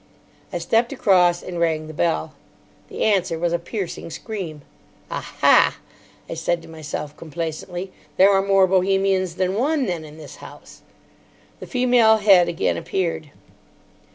I stepped across, and rang the bell. The answer was a piercing scream. "Ah, ha!" I said to myself complacently, "there are more Bohemians than one, then, in this house." The female head again appeared.